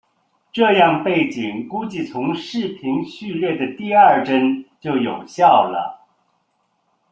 这样背景估计从视频序列的第二帧就有效了。